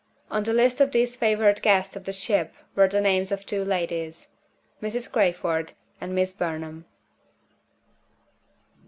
On the list of these favored guests of the ship were the names of two ladies Mrs. Crayford and Miss Burnham.